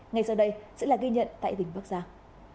ngay sau đây sẽ là ghi nhận tại tỉnh bắc giang